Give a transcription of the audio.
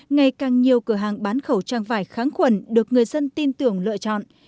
ngày càng nhiều cửa hàng bán khẩu trang vải kháng khuẩn được người dân tin tưởng lựa chọn